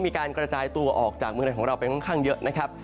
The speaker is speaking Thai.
มีการกระจายตัวออกจากเมืองไทยของเราไปค่อนข้างเยอะนะครับ